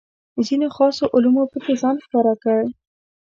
ځینو خاصو علومو پکې ځان ښکاره کړ.